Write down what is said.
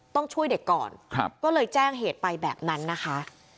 ต้องช่วยเด็กก่อนก็เลยแจ้งเหตุไปแบบนั้นนะคะ